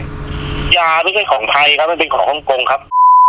ยาไม่ใช่ของไทยครับมันเป็นของฮ่องกงครับ